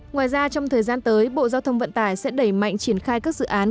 ngoài ra trong thời gian tới bộ giao thông vận tải sẽ đẩy mạnh triển khai các dự án